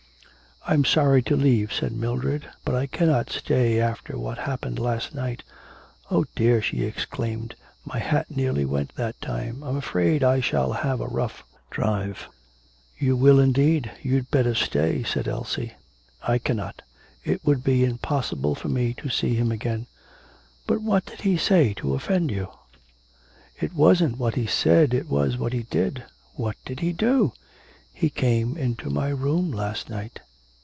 'I'm sorry to leave,' said Mildred, 'but I cannot stay after what happened last night. Oh, dear!' she exclaimed, 'my hat nearly went that time. I'm afraid I shall have a rough drive.' 'You will indeed. You'd better stay,' said Elsie. 'I cannot. It would be impossible for me to see him again.' 'But what did he say to offend you?' 'It wasn't what he said, it was what he did.' 'What did he do?' 'He came into my room last night.'